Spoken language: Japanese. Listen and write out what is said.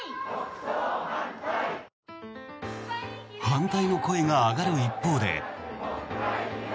反対の声が上がる一方で。